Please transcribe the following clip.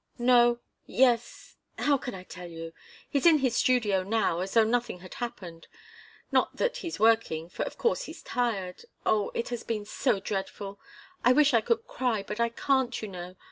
"No yes how can I tell you? He's in his studio now, as though nothing had happened not that he's working, for of course he's tired oh, it has been so dreadful I wish I could cry, but I can't, you know.